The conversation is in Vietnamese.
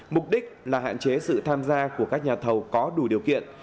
mục đích là hạn chế sự tham gia của các nhà thầu có đủ điều kiện